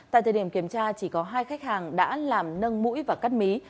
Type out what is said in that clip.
tại thời điểm kiểm tra chỉ có hai khách hàng đã làm nâng mũi và cắt mí